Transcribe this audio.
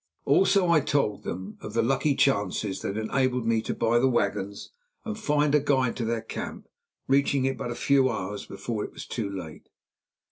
Also I told them of the lucky chances that enabled me to buy the wagons and find a guide to their camp, reaching it but a few hours before it was too late.